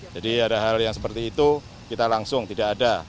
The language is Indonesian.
jadi ada hal yang seperti itu kita langsung tidak ada